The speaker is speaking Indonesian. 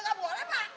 gak boleh pak